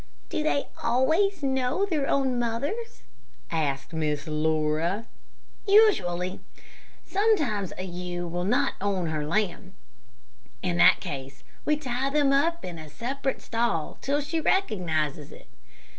"Do they always know their own mothers?" asked Miss Laura. "Usually. Sometimes a ewe will not own her lamb. In that case we tie them up in a separate stall till she recognizes it.